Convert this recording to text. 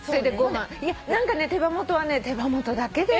いや何か手羽元はね手羽元だけで。